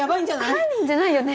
犯人じゃないよね？